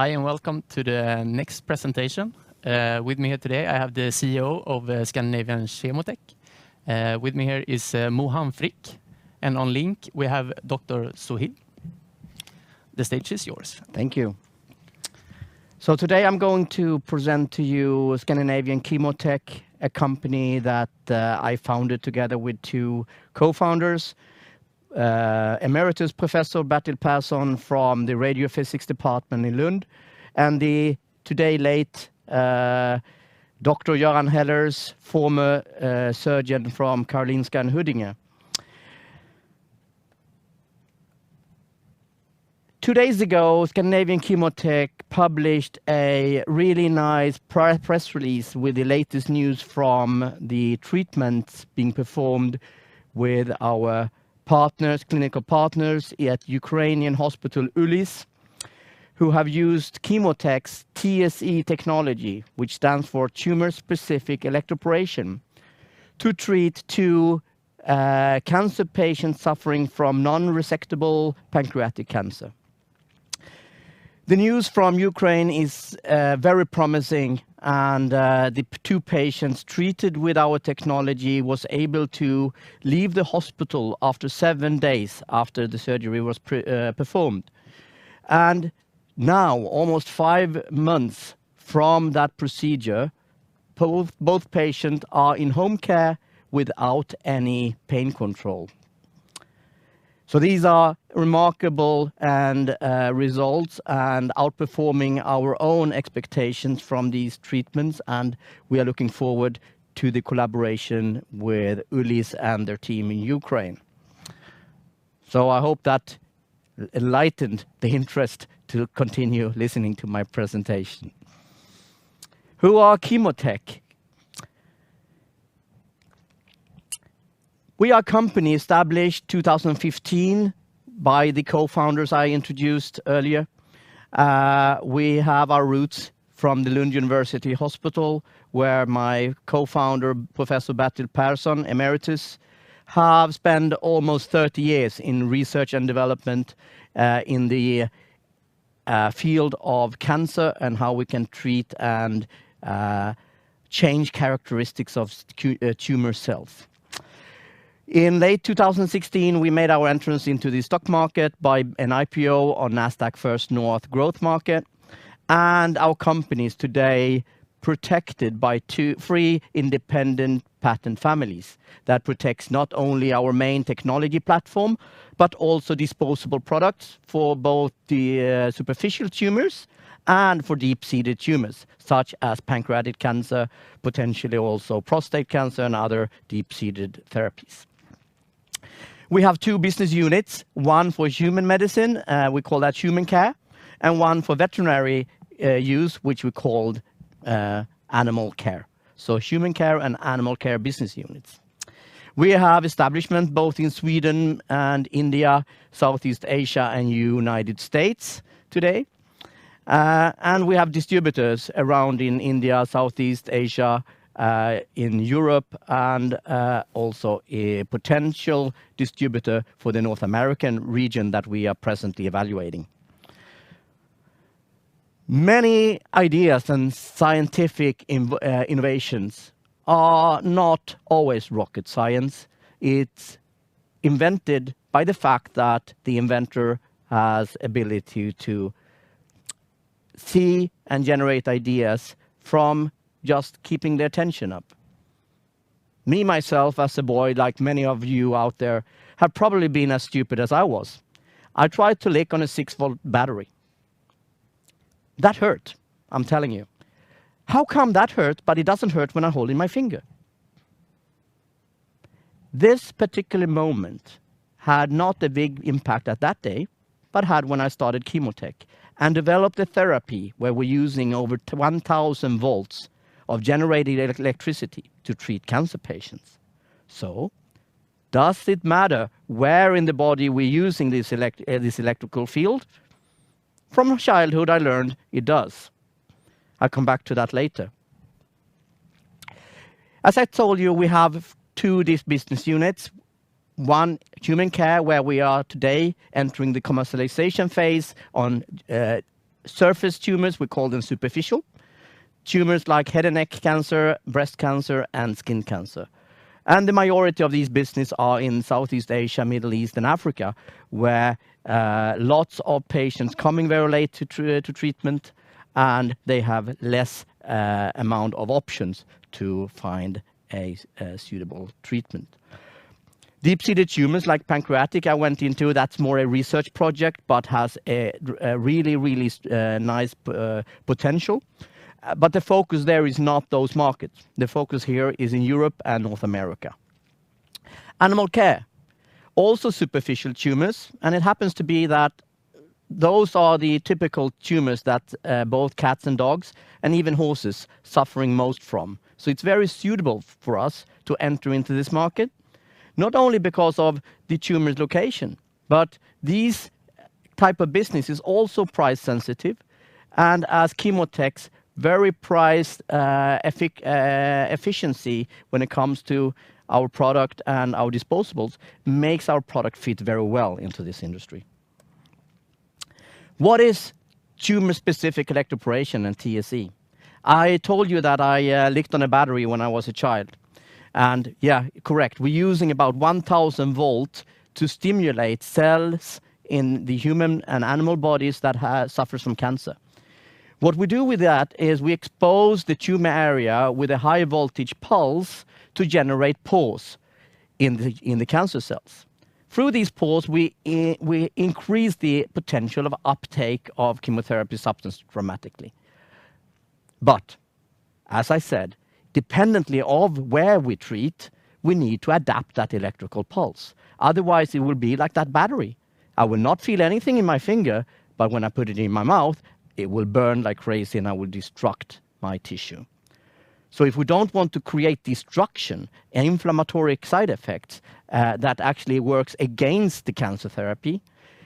Hi. Welcome to the next presentation. With me here today, I have the CEO of Scandinavian ChemoTech. With me here is Mohan Frick, and on link we have Dr. Suhail. The stage is yours. Thank you. Today I'm going to present to you Scandinavian ChemoTech, a company that I founded together with two co-founders, Emeritus Professor Bertil Persson from the Radiophysics Department in Lund, and the today late Dr. Göran Hellers, former surgeon from Karolinska Huddinge. Two days ago, Scandinavian ChemoTech published a really nice press release with the latest news from the treatments being performed with our partners, clinical partners at Ukrainian Hospital Ulis, who have used ChemoTech's TSE technology, which stands for Tumor Specific Electroporation, to treat two cancer patients suffering from non-resectable pancreatic cancer. The news from Ukraine is very promising, and the two patients treated with our technology was able to leave the hospital after seven days after the surgery was performed. Now, almost five months from that procedure, both patients are in home care without any pain control. These are remarkable and results and outperforming our own expectations from these treatments, and we are looking forward to the collaboration with Ulis and their team in Ukraine. I hope that enlightened the interest to continue listening to my presentation. Who are ChemoTech? We are a company established 2015 by the co-founders I introduced earlier. We have our roots from the Lund University Hospital, where my co-founder, Professor Bertil Persson, Emeritus, have spent almost 30 years in research and development, in the field of cancer and how we can treat and change characteristics of tumor cells. In late 2016, we made our entrance into the stock market by an IPO on Nasdaq First North Growth Market. Our company is today protected by three independent patent families that protects not only our main technology platform, but also disposable products for both the superficial tumors and for deep-seated tumors, such as pancreatic cancer, potentially also prostate cancer and other deep-seated therapies. We have two business units, one for human medicine, we call that Human Care, and one for veterinary use, which we called Animal Care. Human Care and Animal Care business units. We have establishment both in Sweden and India, Southeast Asia and United States today. We have distributors around in India, Southeast Asia, in Europe and also a potential distributor for the North American region that we are presently evaluating. Many ideas and scientific innovations are not always rocket science. It's invented by the fact that the inventor has ability to see and generate ideas from just keeping their attention up. Me, myself, as a boy, like many of you out there, have probably been as stupid as I was. I tried to lick on a 6-v battery. That hurt, I'm telling you. How come that hurt, but it doesn't hurt when I hold in my finger? This particular moment had not a big impact at that day, but had when I started ChemoTech and developed a therapy where we're using over 1,000 v of generated electricity to treat cancer patients. Does it matter where in the body we're using this electrical field? From childhood, I learned it does. I'll come back to that later. As I told you, we have two of these business units. One, Human Care, where we are today entering the commercialization phase on surface tumors, we call them superficial. Tumors like head and neck cancer, breast cancer, and skin cancer. The majority of these business are in Southeast Asia, Middle East, and Africa, where lots of patients coming very late to treatment, and they have less amount of options to find a suitable treatment. Deep-seated tumors like pancreatic I went into, that's more a research project, but has a really nice potential. The focus there is not those markets. The focus here is in Europe and North America. Animal Care, also superficial tumors. It happens to be that those are the typical tumors that both cats and dogs, and even horses suffering most from. It's very suitable for us to enter into this market, not only because of the tumor's location, but these type of business is also price sensitive. As ChemoTech's very priced efficiency when it comes to our product and our disposables makes our product fit very well into this industry. What is Tumor Specific Electroporation and TSE? I told you that I licked on a battery when I was a child, and yeah, correct. We're using about 1,000 v to stimulate cells in the human and animal bodies that suffers from cancer. What we do with that is we expose the tumor area with a high voltage pulse to generate pores in the cancer cells. Through these pores, we increase the potential of uptake of chemotherapy substance dramatically. As I said, dependently of where we treat, we need to adapt that electrical pulse. Otherwise, it will be like that battery. I will not feel anything in my finger, but when I put it in my mouth, it will burn like crazy, and I will destruct my tissue. If we don't want to create destruction and inflammatory side effects, that actually works against the cancer therapy,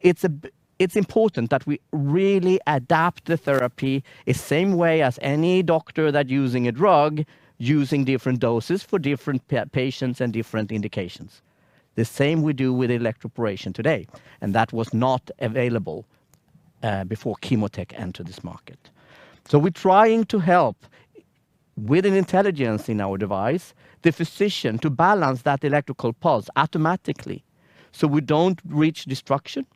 it's important that we really adapt the therapy the same way as any doctor that using a drug, using different doses for different patients and different indications. The same we do with electroporation today, and that was not available before ChemoTech entered this market. We're trying to help with an intelligence in our device, the physician, to balance that electrical pulse automatically so we don't reach destruction.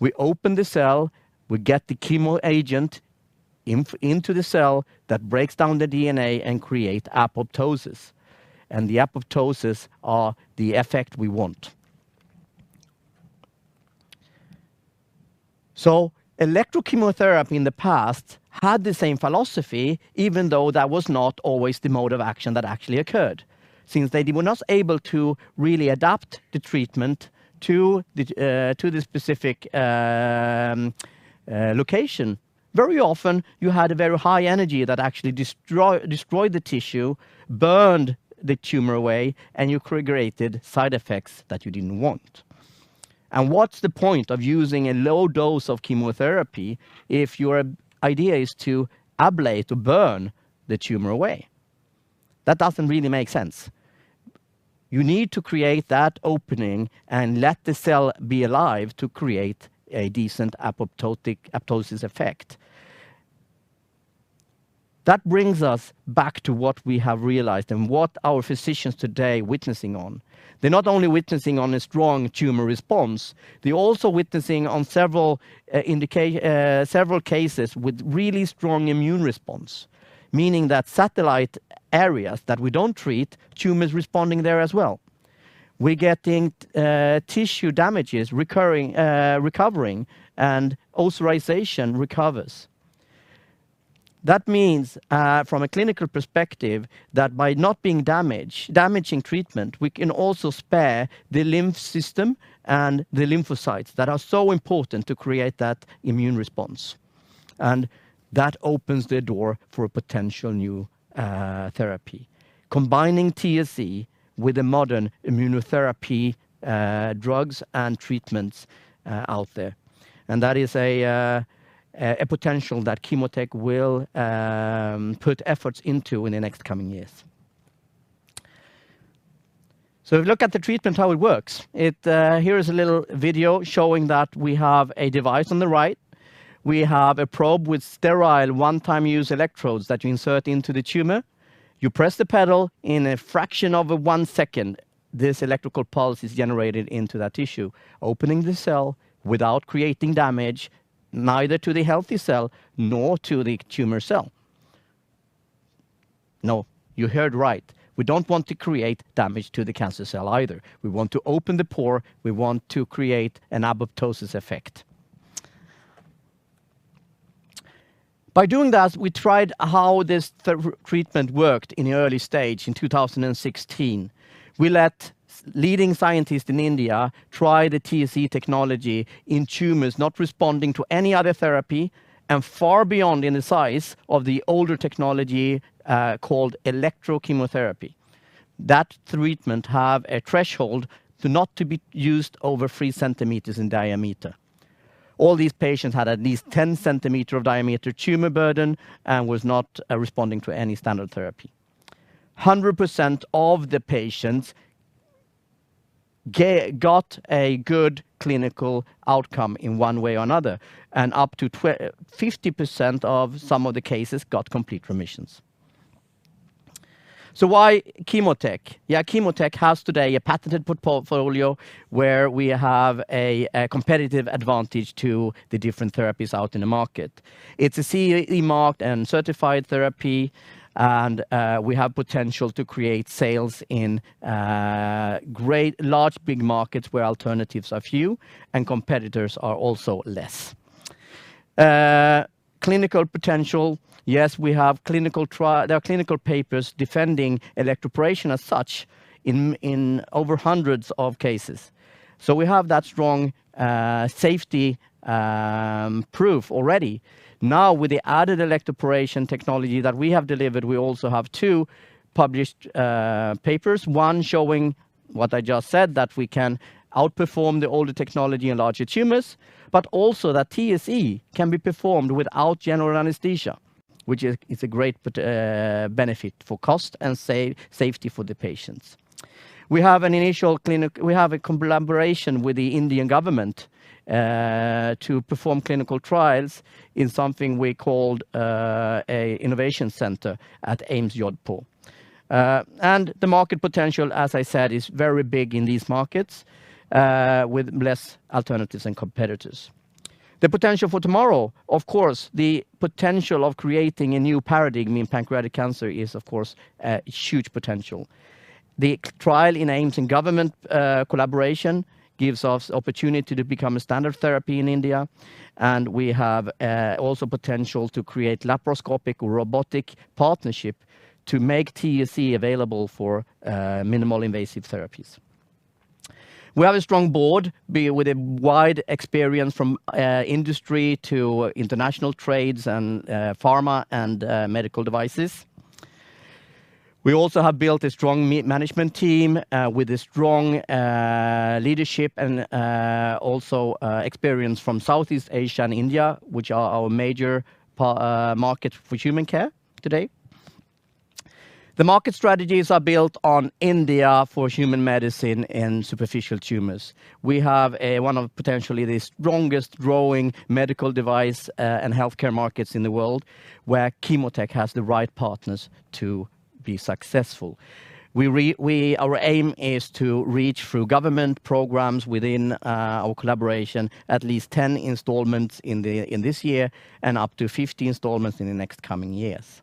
We open the cell, we get the chemo agent into the cell that breaks down the DNA and create apoptosis. The apoptosis are the effect we want. Electrochemotherapy in the past had the same philosophy even though that was not always the mode of action that actually occurred. Since they were not able to really adapt the treatment to the specific location, very often you had a very high energy that actually destroyed the tissue, burned the tumor away, and you created side effects that you didn't want. What's the point of using a low dose of chemotherapy if your idea is to ablate or burn the tumor away? That doesn't really make sense. You need to create that opening and let the cell be alive to create a decent apoptosis effect. That brings us back to what we have realized and what our physicians today witnessing on. They're not only witnessing on a strong tumor response, they're also witnessing on several cases with really strong immune response, meaning that satellite areas that we don't treat, tumors responding there as well. We're getting tissue damages recovering, and ulceration recovers. That means from a clinical perspective, that by not being damaging treatment, we can also spare the lymph system and the lymphocytes that are so important to create that immune response. That opens the door for a potential new therapy. Combining TSE with the modern immunotherapy drugs and treatments out there. That is a potential that ChemoTech will put efforts into in the next coming years. Look at the treatment, how it works. Here is a little video showing that we have a device on the right. We have a probe with sterile one-time use electrodes that you insert into the tumor. You press the pedal. In a fraction of one second, this electrical pulse is generated into that tissue, opening the cell without creating damage, neither to the healthy cell nor to the tumor cell. No, you heard right. We don't want to create damage to the cancer cell either. We want to open the pore. We want to create an apoptosis effect. By doing that, we tried how this treatment worked in the early stage in 2016. We let leading scientists in India try the TSE technology in tumors not responding to any other therapy and far beyond in the size of the older technology, called electrochemotherapy. That treatment have a threshold to not to be used over 3 cm in diameter. All these patients had at least 10 centimeter of diameter tumor burden and was not responding to any standard therapy. 100% of the patients got a good clinical outcome in one way or another, and up to 50% of some of the cases got complete remissions. Why ChemoTech? Yeah, ChemoTech has today a patented portfolio where we have a competitive advantage to the different therapies out in the market. It's a CE marked and certified therapy. We have potential to create sales in great, large, big markets where alternatives are few and competitors are also less. Clinical potential, yes, there are clinical papers defending electroporation as such in over hundreds of cases. We have that strong safety proof already. Now with the added electroporation technology that we have delivered, we also have two published papers, one showing what I just said, that we can outperform the older technology in larger tumors. Also that TSE can be performed without general anesthesia, which is a great benefit for cost and safety for the patients. We have a collaboration with the Indian government to perform clinical trials in something we called an innovation center at AIIMS Jodhpur. The market potential, as I said, is very big in these markets, with less alternatives and competitors. The potential for tomorrow, of course, the potential of creating a new paradigm in pancreatic cancer is, of course, a huge potential. The trial in AIIMS and government collaboration gives us opportunity to become a standard therapy in India. We have also potential to create laparoscopic robotic partnership to make TSE available for minimal invasive therapies. We have a strong board with a wide experience from industry to international trades and pharma and medical devices. We also have built a strong management team with a strong leadership and also experience from Southeast Asia and India, which are our major market for Human Care today. The market strategies are built on India for human medicine and superficial tumors. We have one of potentially the strongest growing medical device and healthcare markets in the world, where ChemoTech has the right partners to be successful. Our aim is to reach through government programs within our collaboration, at least 10 installments in this year and up to 50 installments in the next coming years.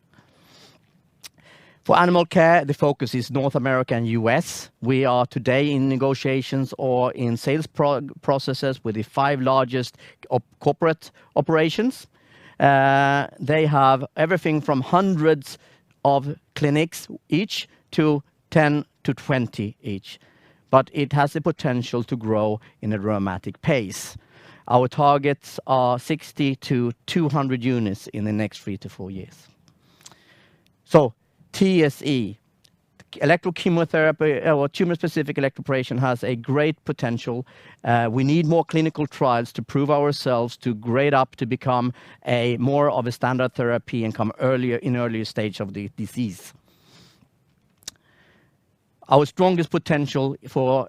For Animal Care, the focus is North America and U.S. We are today in negotiations or in sales processes with the five largest corporate operations. They have everything from hundreds of clinics each to 10-20 each. It has the potential to grow in a dramatic pace. Our targets are 60-200 units in the next three to four years. TSE, electrochemotherapy or Tumor Specific Electroporation has a great potential. We need more clinical trials to prove ourselves, to grade up to become a more of a standard therapy and come earlier, in earlier stage of the disease. Our strongest potential for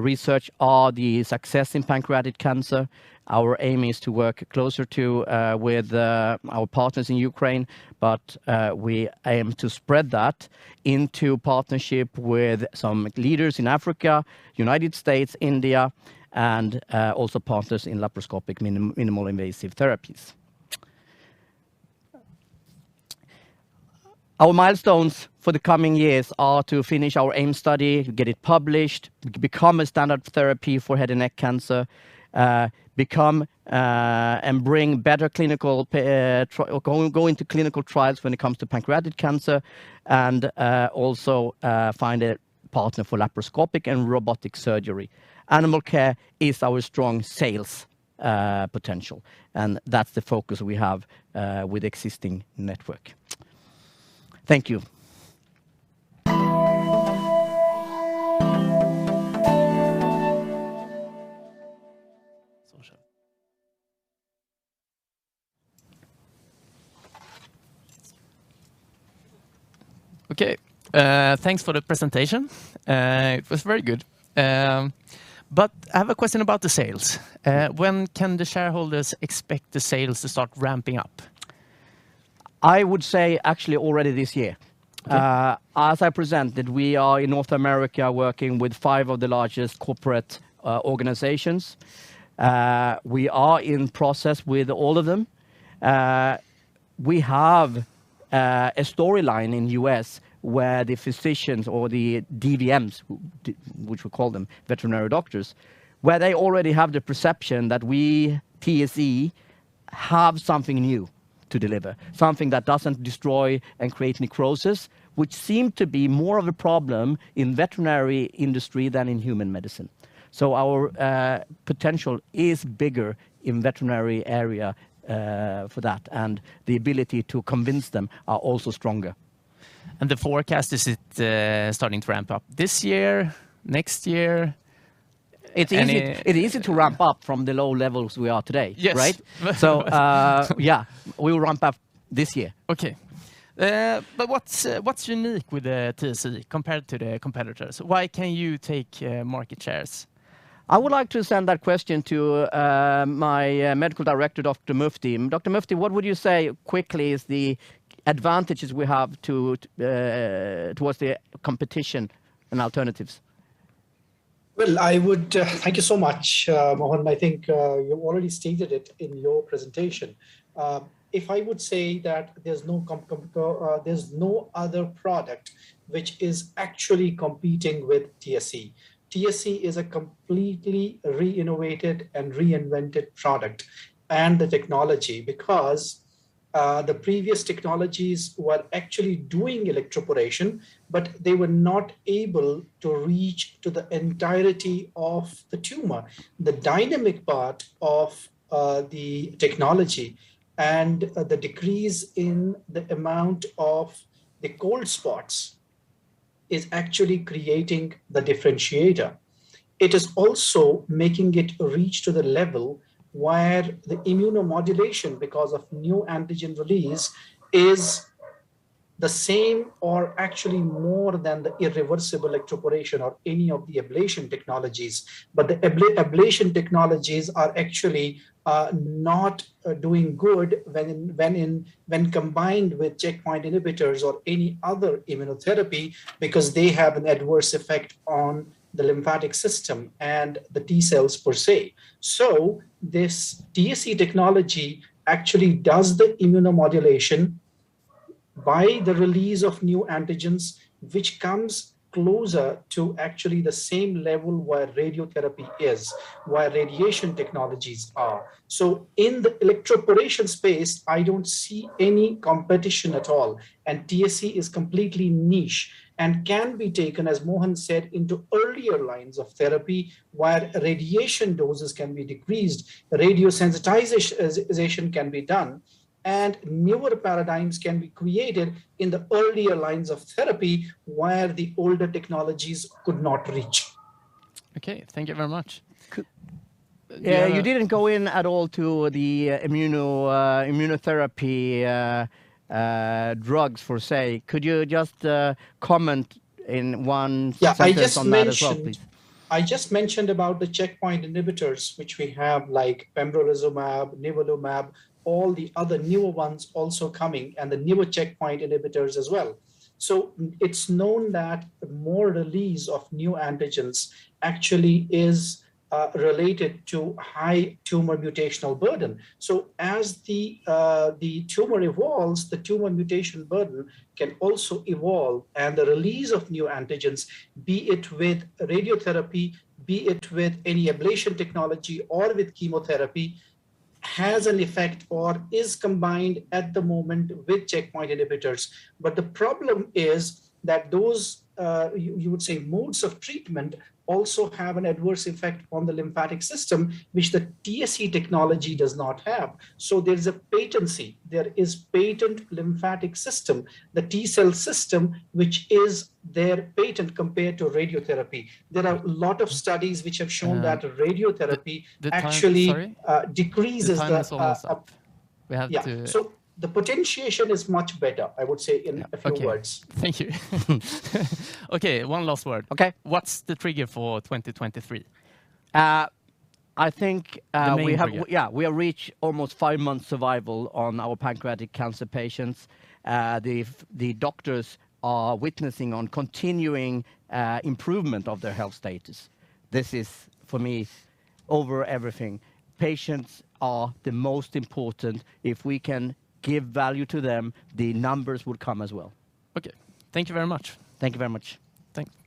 research are the success in pancreatic cancer. Our aim is to work closer to with our partners in Ukraine, but we aim to spread that into partnership with some leaders in Africa, United States, India, and also partners in laparoscopic minimal invasive therapies. Our milestones for the coming years are to finish our AIM study, get it published, become a standard therapy for head and neck cancer, become and bring better clinical trials when it comes to pancreatic cancer, and also find a partner for laparoscopic and robotic surgery. Animal Care is our strong sales potential, and that's the focus we have with existing network. Thank you. Social. Okay. Thanks for the presentation. It was very good. I have a question about the sales. When can the shareholders expect the sales to start ramping up? I would say actually already this year. Okay. As I presented, we are in North America working with five of the largest corporate organizations. We are in process with all of them. We have a storyline in U.S. where the physicians or the DVMs, which we call them, veterinary doctors, where they already have the perception that we, TSE, have something new to deliver, something that doesn't destroy and create necrosis, which seem to be more of a problem in veterinary industry than in human medicine. Our potential is bigger in veterinary area for that, and the ability to convince them are also stronger. The forecast, is it, starting to ramp up this year, next year? It easy to ramp up from the low levels we are today, right? Yes. yeah, we will ramp up this year. Okay. What's unique with the TSE compared to the competitors? Why can you take market shares? I would like to send that question to my Medical Director, Dr. Mufti. Dr. Mufti, what would you say, quickly, is the advantages we have to, towards the competition and alternatives? Well, I would. Thank you so much, Mohan. I think, you already stated it in your presentation. If I would say that there's no other product which is actually competing with TSE. TSE is a completely reinnovated and reinvented product and the technology because the previous technologies were actually doing electroporation, but they were not able to reach to the entirety of the tumor. The dynamic part of the technology and the decrease in the amount of the cold spots is actually creating the differentiator. It is also making it reach to the level where the immunomodulation because of new antigen release is the same or actually more than the irreversible electroporation of any of the ablation technologies. The ablation technologies are actually not doing good when combined with checkpoint inhibitors or any other immunotherapy because they have an adverse effect on the lymphatic system and the T-cells per se. This TSE technology actually does the immunomodulation by the release of new antigens, which comes closer to actually the same level where radiotherapy is, where radiation technologies are. In the electroporation space, I don't see any competition at all, and TSE is completely niche and can be taken, as Mohan said, into earlier lines of therapy where radiation doses can be decreased, radiosensitization can be done, and newer paradigms can be created in the earlier lines of therapy where the older technologies could not reach. Okay, thank you very much. Yeah. Uh- You didn't go in at all to the immunotherapy drugs per se. Could you just comment in one sentence on that as well, please? Yeah, I just mentioned about the checkpoint inhibitors which we have, like pembrolizumab, nivolumab, all the other newer ones also coming, and the newer checkpoint inhibitors as well. It's known that more release of new antigens actually is related to high tumor mutational burden. As the tumor evolves, the tumor mutational burden can also evolve, and the release of new antigens, be it with radiotherapy, be it with any ablation technology or with chemotherapy, has an effect or is combined at the moment with checkpoint inhibitors. The problem is that those, you would say modes of treatment also have an adverse effect on the lymphatic system, which the TSE technology does not have. There's a patency. There is patent lymphatic system, the T-cell system, which is their patent compared to radiotherapy. There are a lot of studies which have shown that. Yeah... radiotherapy actually. The time, sorry.... decreases the- The time is almost up. Yeah. The potentiation is much better, I would say in a few words. Yeah. Okay. Thank you. Okay, one last word. Okay. What's the trigger for 2023? I think. The main trigger. Yeah, we reach almost five-month survival on our pancreatic cancer patients. The doctors are witnessing on continuing improvement of their health status. This is for me over everything. Patients are the most important. If we can give value to them, the numbers would come as well. Okay. Thank you very much. Thank you very much. Thank.